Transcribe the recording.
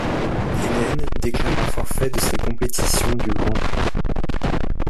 Elene déclara forfait de ses compétitions du Grand Prix.